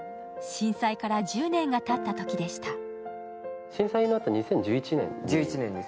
震災から１０年がたったときでした。